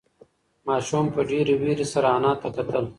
ماشوم په ډېرې وېرې سره انا ته کتل.